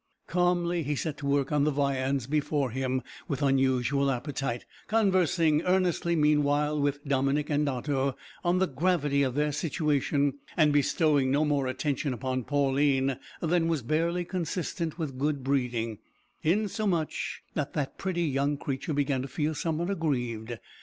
Calmly he set to work on the viands before him with unusual appetite, conversing earnestly, meanwhile, with Dominick and Otto on the gravity of their situation, and bestowing no more attention upon Pauline than was barely consistent with good breeding, insomuch that that pretty young creature began to feel somewhat aggrieved.